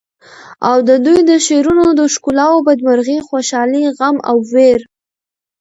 او ددوی د شعرونو د ښکلاوو بد مرغي، خوشالی، غم او وېر